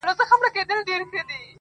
o هر ګستاخ چي په ګستاخ نظر در ګوري ,